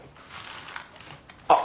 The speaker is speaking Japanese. あっ。